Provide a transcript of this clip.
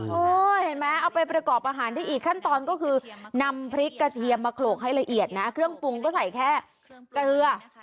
เห็นไหมเอาไปประกอบอาหารได้อีกขั้นตอนก็คือนำพริกกระเทียมมาโขลกให้ละเอียดนะเครื่องปรุงก็ใส่แค่เกลือ